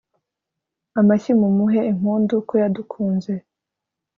amashyi mumuhe impundu, ko yadukunze